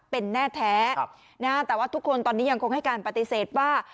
เป็นแน่แท้แต่ว่าทุกคนตอนนี้ยังคงให้การปฏิเสธว่า